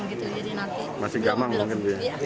gitu jadi nanti masih gaman mungkin